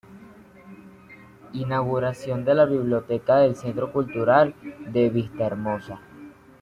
Inauguración de la Biblioteca del Centro Cultural de Vistahermosa.